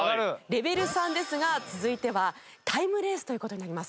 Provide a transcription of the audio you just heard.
レベル３ですが続いてはタイムレースという事になります。